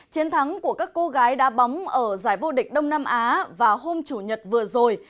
chiến thắng của các cô gái đá bóng ở giải vô địch đông nam á vào hôm chủ nhật vừa rồi